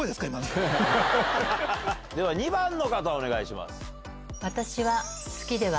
では２番の方お願いします。